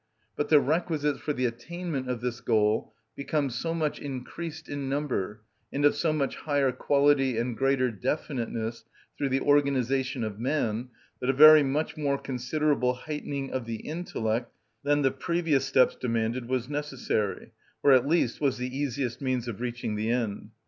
But the requisites for the attainment of this goal became so much increased in number, and of so much higher quality and greater definiteness through the organisation of man, that a very much more considerable heightening of the intellect than the previous steps demanded was necessary, or at least was the easiest means of reaching the end.